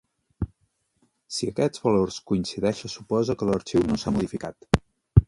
Si aquests valors coincideixen se suposa que l'arxiu no s'ha modificat.